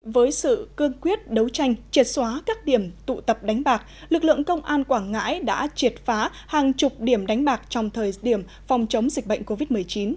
với sự cương quyết đấu tranh triệt xóa các điểm tụ tập đánh bạc lực lượng công an quảng ngãi đã triệt phá hàng chục điểm đánh bạc trong thời điểm phòng chống dịch bệnh covid một mươi chín